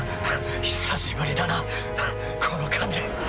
久しぶりだなこの感じ。